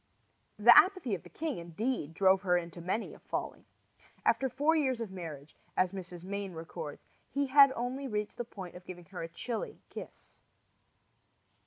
The apathy of the king, indeed, drove her into many a folly. After four years of marriage, as Mrs. Mayne records, he had only reached the point of giving her a chilly kiss.